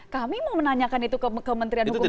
kami mau menanyakan itu ke kementerian hukum dan ham